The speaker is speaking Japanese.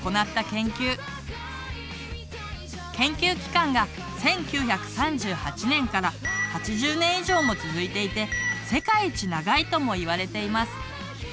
研究期間が１９３８年から８０年以上も続いていて世界一長いとも言われています。